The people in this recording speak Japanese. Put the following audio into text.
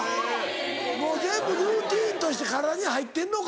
もう全部ルーティンとして体に入ってんのか。